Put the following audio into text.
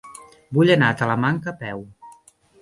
Vull anar a Talamanca a peu.